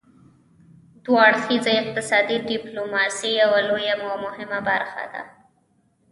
دوه اړخیزه اقتصادي ډیپلوماسي یوه لویه او مهمه برخه ده